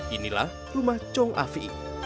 inilah rumah chong afi